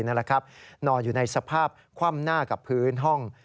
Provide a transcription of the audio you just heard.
นอนอยู่ในสภาพคว่ำหน้ากับพื้นห้อง